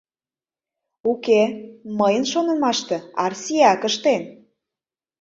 Уке, мыйын шонымаште, Арсиак ыштен.